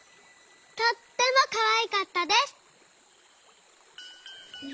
とってもかわいかったです」。